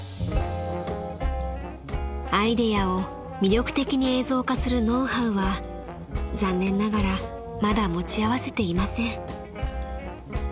［アイデアを魅力的に映像化するノウハウは残念ながらまだ持ち合わせていません］